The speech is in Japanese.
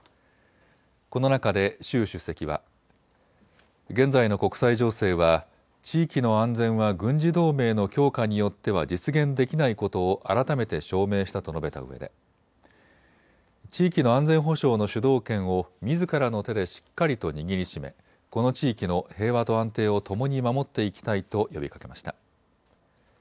この中で習主席は現在の国際情勢は地域の安全は軍事同盟の強化によっては実現できないことを改めて証明したと述べたうえで地域の安全保障の主導権をみずからの手でしっかりと握りしめ、この地域の平和と安定を共に守っていきたいと呼びかけました。